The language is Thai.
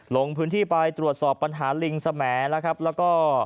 ลงพื้นที่ไปตรวจสอบปัญหาลิงสมัยแล้ว